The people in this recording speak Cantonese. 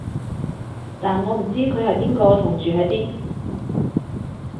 但我唔知佢係邊個同住喺邊